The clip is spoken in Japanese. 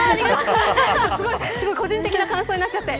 すごい個人的な感想になっちゃって。